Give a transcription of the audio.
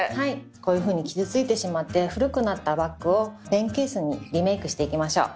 こういうふうに傷ついてしまって古くなったバッグをペンケースにリメークしていきましょう。